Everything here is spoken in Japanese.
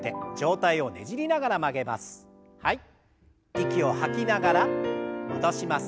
息を吐きながら戻します。